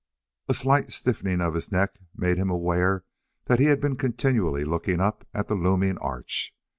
A slight stiffening of his neck made him aware that he had been continually looking up at the looming arch.